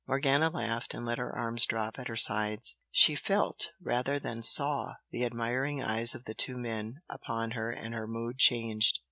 Morgana laughed, and let her arms drop at her sides. She felt rather than saw the admiring eyes of the two men upon her and her mood changed.